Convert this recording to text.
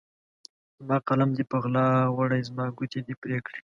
زما قلم دې په غلا وړی، زما ګوتې دي پرې کړي